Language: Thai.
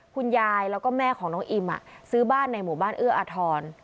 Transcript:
คุณยายแล้วก็แม่ของน้องอิมซื้อบ้านในหมู่บ้านเอื้ออาทร